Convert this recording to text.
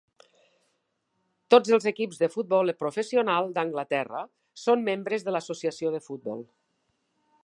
Tots els equips de futbol professional d"Anglaterra són membres de l"Associació de Futbol.